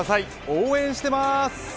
応援してます。